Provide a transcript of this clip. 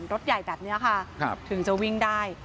รถใหญ่แบบนี้ค่ะถึงจะวิ่งได้